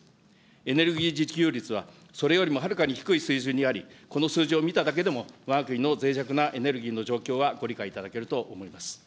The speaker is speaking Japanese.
エネルギー自給率は、それよりもはるかに低い水準にあり、この数字を見ただけでも、わが国のぜい弱なエネルギーの状況はご理解いただけると思います。